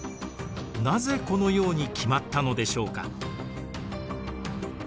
なぜこのように決まったのでしょうか？